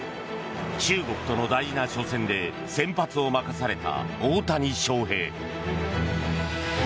中国との大事な初戦で先発を任された大谷翔平。